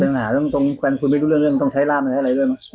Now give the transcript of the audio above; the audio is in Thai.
คุณภังหาเรื่องตรงแฟนคุยไม่รู้เรื่องเรื่องต้องใช้ราบอะไรอะไรเรื่อง